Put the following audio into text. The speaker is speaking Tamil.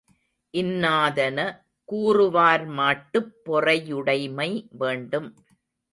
இன்னாதன கூறுவார் மாட்டுப் பொறையுடைமை வேண்டும்.